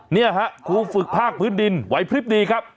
นี่ฮะครูฝึกภาคพื้นดินไหวพลิบดีครับ